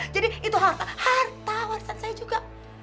jadi itu harta harta warisan saya juga